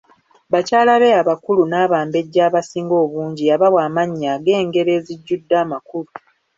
Bakyala be abakulu n'abambejja abasinga obungi yabawa amannya ag'engero ezijjudde amakulu.